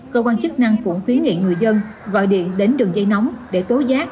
cơ quan chức năng cũng khuyến nghị người dân gọi điện đến đường dây nóng để tố giác